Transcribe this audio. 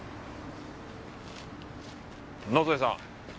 野添さん。